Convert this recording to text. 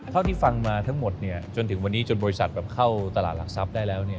เท่าที่ฟังมาทั้งหมดจนถึงวันนี้จนบริษัทแบบเข้าตลาดหลักทรัพย์ได้แล้ว